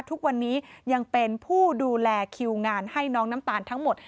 ทุกวันนี้ยังเป็นผู้ดูแลคิวงานให้น้องน้ำตาลทั้งหมด